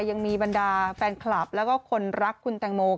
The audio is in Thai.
ยังมีบรรดาแฟนคลับแล้วก็คนรักคุณแตงโม